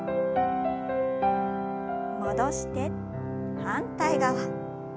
戻して反対側。